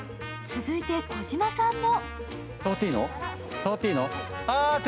続いて児嶋さんも。